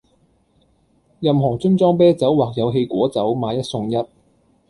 任何樽裝啤酒或有氣果酒買一送一